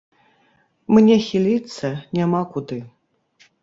Мне хіліцца няма куды.